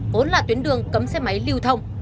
vốn là tuyến đường cấm xe máy lưu thông